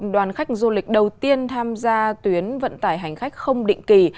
đoàn khách du lịch đầu tiên tham gia tuyến vận tải hành khách không định kỳ